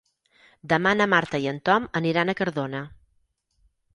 Demà na Marta i en Tom aniran a Cardona.